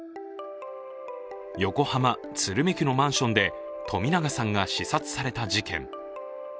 横浜・鶴見区のマンションで冨永さんが視察された事件。